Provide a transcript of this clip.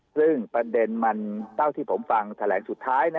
ซึ่งปันเตนเปล่าที่ผมฟังแนะแหน่งสุดท้าย